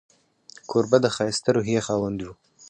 کوربه د ښایسته روحيې خاوند وي.